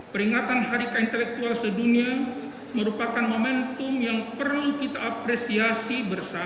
peringatan hari keintelektual sedunia merupakan momentum yang perlu kita apresiasi bersama